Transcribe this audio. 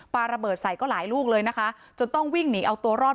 ปลาระเบิดใส่ก็หลายลูกเลยนะคะจนต้องวิ่งหนีเอาตัวรอด